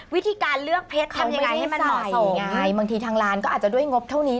วิธีการเลือกเพชรทำยังไงให้มันเหมาะสมไงบางทีทางร้านก็อาจจะด้วยงบเท่านี้